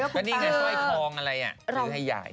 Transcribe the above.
ก็นี่ไงช่วยคลองอะไรอ่ะ